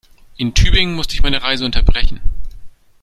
In Tübingen musste ich meine Reise unterbrechen